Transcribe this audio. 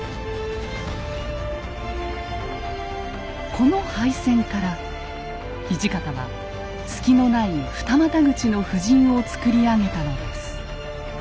この敗戦から土方は隙のない二股口の布陣をつくり上げたのです。